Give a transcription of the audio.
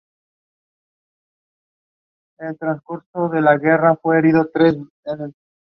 El pastel resultante se hornea.